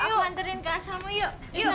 aku nantikan ke asalmu yuk